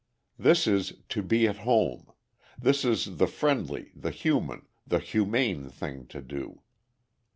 This is "to be at home"; this is the friendly, the human, the humane thing to do.